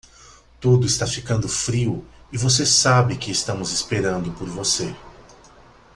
Tudo está ficando frio e você sabe que estamos esperando por você.